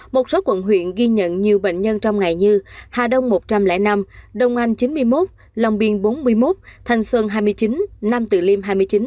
một số quận huyện ghi nhận nhiều bệnh nhân trong ngày như hà đông một trăm linh năm đông anh chín mươi một long biên bốn mươi một thanh xuân hai mươi chín nam từ liêm hai mươi chín